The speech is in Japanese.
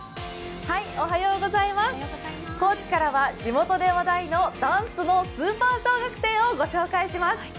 高知からは地元で話題のダンスのスーパー小学生をご紹介します。